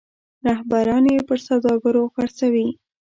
رهبران یې پر سوداګرو خرڅوي.